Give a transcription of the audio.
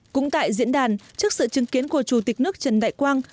cũng tại diễn đàn trước sự chứng kiến của chủ tịch nước trần đại quang